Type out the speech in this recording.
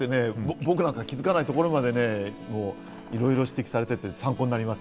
僕なんか気づかないところまで、いろいろ指摘されていて参考になります。